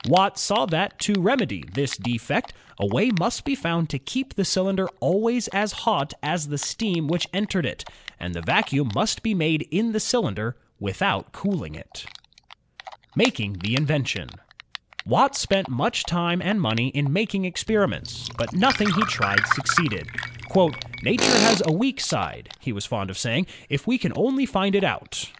Watt saw that, to remedy this defect, a way must be found to keep the cylinder always as hot as the steam which entered it, and the vacuum must be made in the cylinder, without cooling it. Making the Invention Watt spent much time and money in making experi ments, but nothing he tried succeeded. "Nature has a weak side," he was fond of saying, '4f we can only find it out."